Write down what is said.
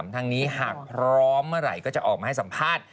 ทั้งนี้หากพร้อมเมื่อไหร่ก็จะออกมาให้สัมภาษณ์